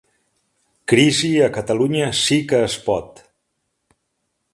Crisi a Catalunya Sí que es Pot